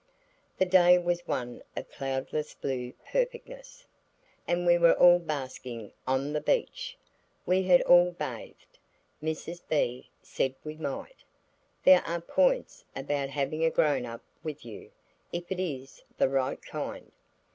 The day was one of cloudless blue perfectness, and we were all basking on the beach. We had all bathed. Mrs. B said we might. There are points about having a grown up with you, if it is the right kind.